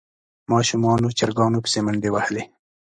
ماشومانو چرګانو پسې منډې وهلې.